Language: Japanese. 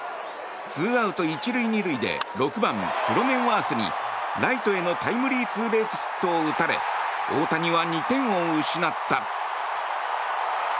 ２アウト１塁２塁で６番、クロネンワースにライトへのタイムリーツーベースヒットを打たれ大谷は２点を失った。